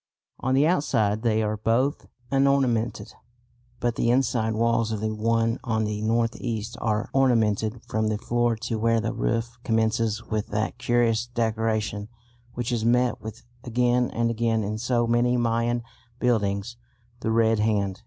On the outside they are both unornamented, but the inside walls of the one on the north east are ornamented from the floor to where the roof commences with that curious decoration which is met with again and again in so many Mayan buildings the red hand.